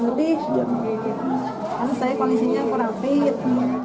kan saya kondisinya kurang fit